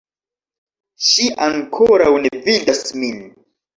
Ŝi ankoraŭ ne vidas min